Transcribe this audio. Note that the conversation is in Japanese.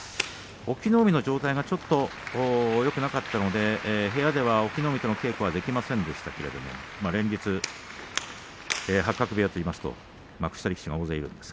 隠岐の海の状態がちょっとよくなかったので部屋では隠岐の海との稽古はできませんでしたけれども連日、八角部屋といいますと幕下力士が大勢います。